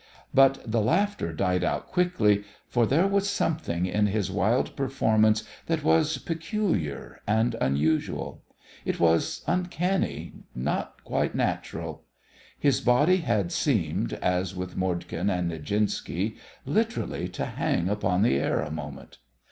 But the laughter died out quickly, for there was something in his wild performance that was peculiar and unusual. It was uncanny, not quite natural. His body had seemed, as with Mordkin and Nijinski, literally to hang upon the air a moment.